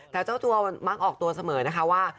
แต่เจ้าตัวมักออกตัวเสมอนะคะว่า